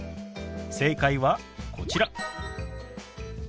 正解はこちら。